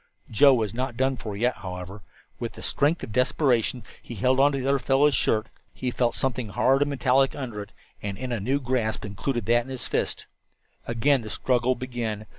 Joe was not done for yet, however. With the strength of desperation he held on to the other fellow's shirt. He felt something hard and metallic under it, and in a new grasp included that in his fist. Again the struggle began.